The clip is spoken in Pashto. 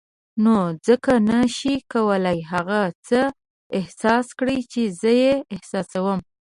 نو ځکه نه شې کولای هغه څه احساس کړې چې زه یې احساسوم.